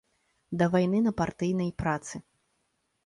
Да вайны на партыйнай працы.